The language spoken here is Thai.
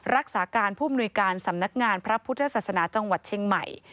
รักษาการผู้มนุยการสำนักงานพระพุทธศาสนาจังหวัดเชียงใหม่